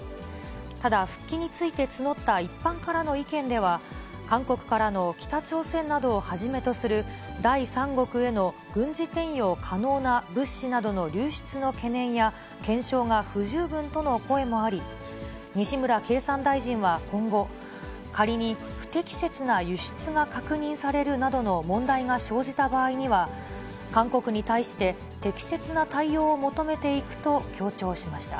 ただ、復帰について募った一般からの意見では、韓国からの北朝鮮などをはじめとする第三国への軍事転用可能な物資などの流出の懸念や、検証が不十分との声もあり、西村経産大臣は今後、仮に不適切な輸出が確認されるなどの問題が生じた場合には、韓国に対して適切な対応を求めていくと強調しました。